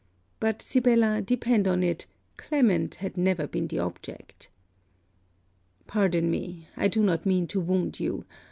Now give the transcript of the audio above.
But, Sibella, depend on it Clement had never been the object. Pardon me, I do not mean to wound you.